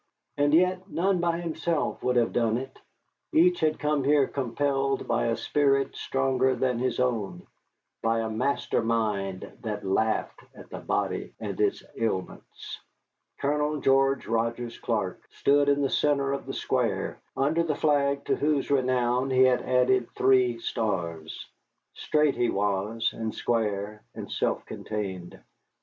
And yet none by himself would have done it each had come here compelled by a spirit stronger than his own, by a master mind that laughed at the body and its ailments. Colonel George Rogers Clark stood in the centre of the square, under the flag to whose renown he had added three stars. Straight he was, and square, and self contained.